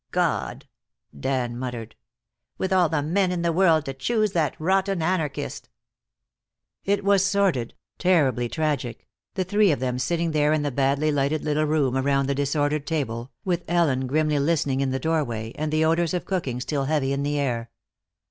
"God!" Dan muttered. "With all the men in the world, to choose that rotten anarchist!" It was sordid, terribly tragic, the three of them sitting there in the badly lighted little room around the disordered table, with Ellen grimly listening in the doorway, and the odors of cooking still heavy in the air.